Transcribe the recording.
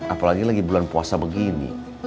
apalagi lagi bulan puasa begini